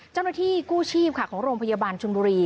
เจ้าหน้าที่กู้ชีพค่ะของโรงพยาบาลชนบุรี